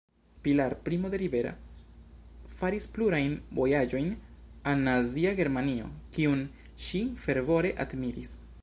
Pilar Primo de Rivera faris plurajn vojaĝojn al Nazia Germanio, kiun ŝi fervore admiris.